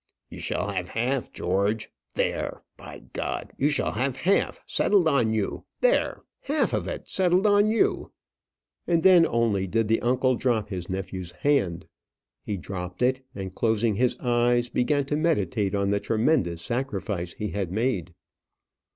"You shall have half, George; there, by G you shall have half; settled on you there half of it, settled on you." And then only did the uncle drop his nephew's hand. He dropped it, and closing his eyes, began to meditate on the tremendous sacrifice he had made.